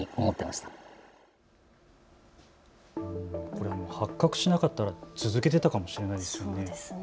これが発覚しなかったら続けていたかもしれないんですよね。